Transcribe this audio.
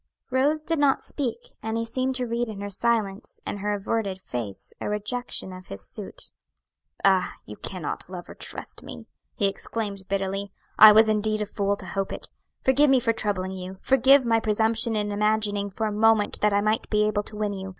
Rose did not speak, and he seemed to read in her silence and her averted face a rejection of his suit. "Ah, you cannot love or trust me!" he exclaimed bitterly. "I was indeed a fool to hope it. Forgive me for troubling you; forgive my presumption in imagining for a moment that I might be able to win you.